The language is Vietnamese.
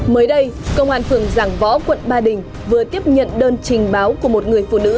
mới đây công an phường giảng võ quận ba đình vừa tiếp nhận đơn trình báo của một người phụ nữ